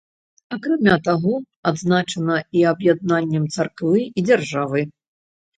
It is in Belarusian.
Акрамя таго, адзначана і аб'яднаннем царквы і дзяржавы.